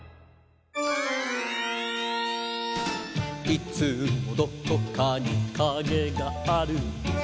「いつもどこかにカゲがある」